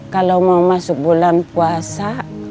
kalau mau masuk bulan puasa